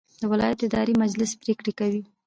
د ولایت اداري مجلس پریکړې کوي